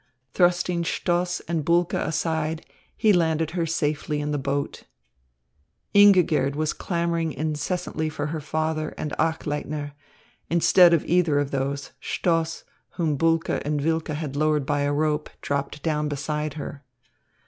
Thrusting Stoss and Bulke aside, he landed her safely in the boat. Ingigerd was clamouring incessantly for her father and Achleitner. Instead of either of these, Stoss, whom Bulke and Wilke had lowered by a rope, dropped down beside her.